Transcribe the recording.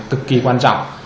thực kỳ quan trọng